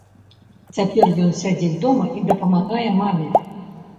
Цяпер ён сядзіць дома і дапамагае маме.